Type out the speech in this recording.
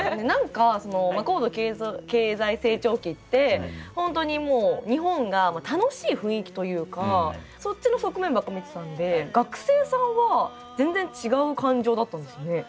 何か高度経済成長期ってホントに日本が楽しい雰囲気というかそっちの側面ばっか見てたんで学生さんは全然違う感情だったんですね。